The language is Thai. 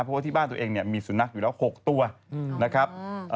เพราะว่าที่บ้านตัวเองเนี่ยมีสุนัขอยู่แล้ว๖ตัวนะครับ